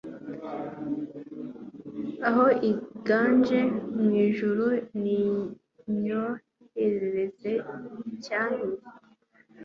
Aho iganje mu ijuru ninyoherereze icyankiza